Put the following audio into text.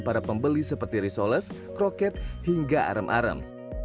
para pembeli seperti risoles kroket hingga arem arem